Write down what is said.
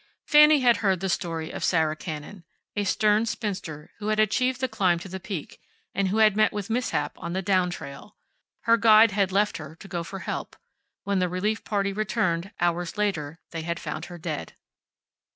Fanny had heard the story of Sarah Cannon, a stern spinster who had achieved the climb to the Peak, and who had met with mishap on the down trail. Her guide had left her to go for help. When the relief party returned, hours later, they had found her dead.